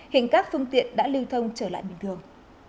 hình các phương tiện đã lưu thông trở lại bình thường